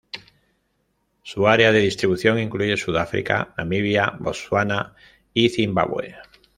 Su área de distribución incluye Sudáfrica, Namibia, Botsuana y Zimbabue.